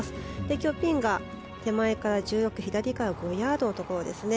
今日、ピンが手前から１６左から５ヤードのところですね。